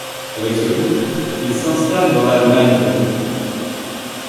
Avec ce groupe, il s'installe dans l'Allemagne occupée.